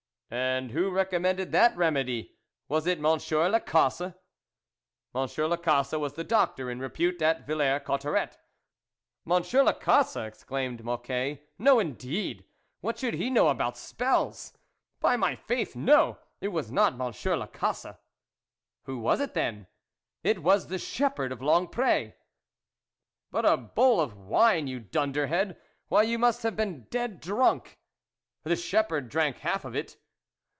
" And who recommended that remedy ? was it Monsieur Lecosse ?" Monsieur L6cosse was the doctor in repute at Villers Cotterets. " Monsieur Lecosse ?" exclaimed Moc quet. " No, indeed ! What should he know about spells ! By my faith, no ! it was not Monsieur L6cosse." " Who was it, then ?"" It was the shepherd of Longpr6." " But a bowl of wine, you dunderhead ! Why, you must have been dead drunk." " The shepherd drank half of it."